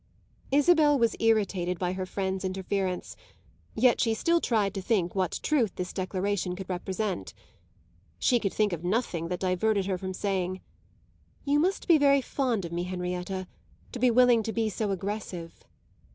Isabel was irritated by her friend's interference, yet she still tried to think what truth this declaration could represent. She could think of nothing that diverted her from saying: "You must be very fond of me, Henrietta, to be willing to be so aggressive."